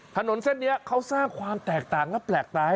ถนนเส้นนี้เขาสร้างความแตกต่างและแปลกตาย